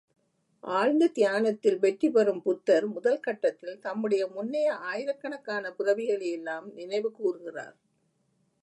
ஆழ்ந்த தியானத்தில் வெற்றி பெறும் புத்தர் முதல் கட்டத்தில் தம்முடைய முன்னைய ஆயிரக்கணக்கான பிறவிகளையெல்லாம் நினைவுகூர்கிறார்.